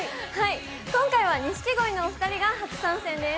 今回は錦鯉のお二人が初参戦です。